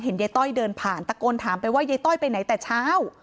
ยายต้อยเดินผ่านตะโกนถามไปว่ายายต้อยไปไหนแต่เช้า